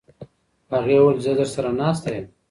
هغې وویل چې زه درسره ناسته یم.